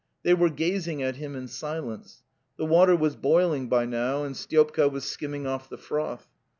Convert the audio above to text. They were gazing at him in silence. The water was boiling by now and Styopka was skimming off the froth.